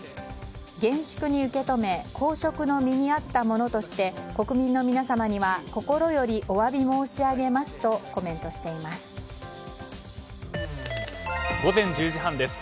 厳粛に受け止め公職の身に合った者として国民の皆様には心よりお詫び申し上げますと午前１０時半です。